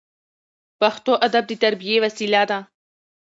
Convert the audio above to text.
پښتو ادب د تربیې وسیله ده.